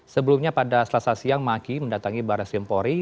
sebelumnya pada selesai siang maki mendatangi baris limpori